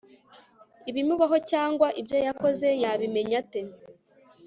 ibimubaho cyangwa ibyo yakoze. yabimenya ate